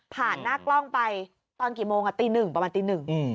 หน้ากล้องไปตอนกี่โมงตีหนึ่งประมาณตีหนึ่ง